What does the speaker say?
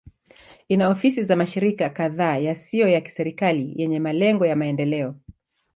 Ina ofisi za mashirika kadhaa yasiyo ya kiserikali yenye malengo ya maendeleo.